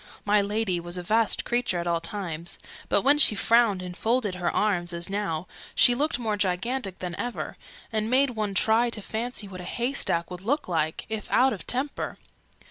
My Lady was a vast creature at all times: but, when she frowned and folded her arms, as now, she looked more gigantic than ever, and made one try to fancy what a haystack would look like, if out of temper.